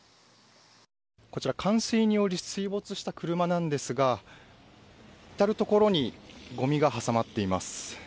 こちら、冠水により水没した車なんですが至る所にごみが挟まっています。